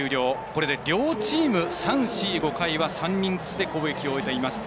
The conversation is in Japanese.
これで両チーム、３、４、５回は３人ずつで攻撃を終えています。